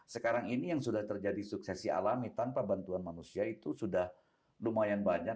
sekarang ini yang sudah terjadi suksesi alami tanpa bantuan manusia itu sudah lumayan banyak